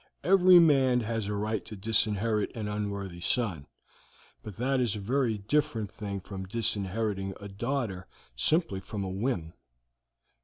Every man has a right to disinherit an unworthy son, but that is a very different thing from disinheriting a daughter simply from a whim.